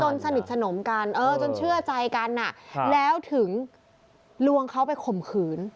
สนิทสนมกันจนเชื่อใจกันแล้วถึงลวงเขาไปข่มขืน